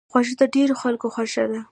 خوږه د ډېرو خلکو خوښه ده.